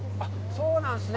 そうなんですね。